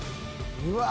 「うわ！」